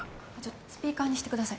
スピーカーにしてください。